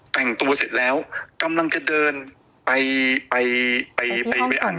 แต่งตัวเสร็จแล้วกำลังจะเดินไปไปไปอ่าน